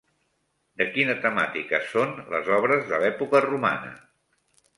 De quina temàtica són les obres de l'època romana?